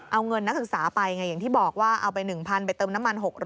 เอาเงินนักศึกษาไปไงอย่างที่บอกว่าเอาไป๑๐๐ไปเติมน้ำมัน๖๐๐